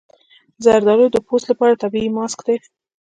زردالو د پوست لپاره طبیعي ماسک دی.